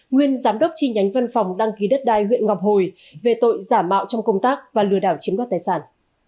nguyên giám đốc chi nhánh văn phòng đăng ký đất đai huyện ngọc hồi về tội giả mạo trong công tác và lừa đảo chiếm đoạt tài sản